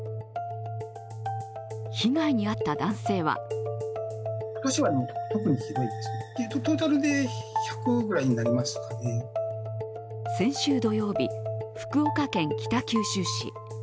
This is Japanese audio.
被害に遭った男性は先週土曜日、福岡県北九州市。